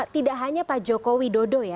tidak hanya pak jokowi dodo ya